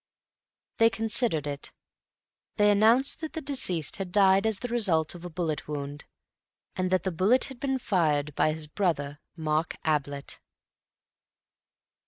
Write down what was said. They considered it. They announced that the deceased had died as the result of a bullet wound, and that the bullet had been fired by his brother Mark Ablett.